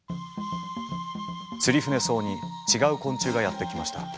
ツリフネソウに違う昆虫がやって来ました。